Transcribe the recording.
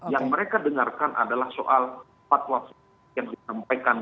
yang mereka dengarkan adalah soal fatwa yang disampaikan